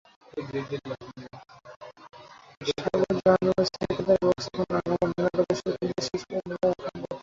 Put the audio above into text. সাগর জাহানের সেকান্দর বক্স এখন রাঙ্গামাটিতে নাটকের শুটিং শেষ হয়েছে সম্প্রতি।